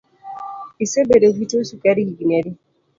Isebedo gi tuo sukari higni adi?